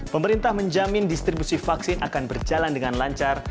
pemerintah menjamin distribusi vaksin akan berjalan dengan lancar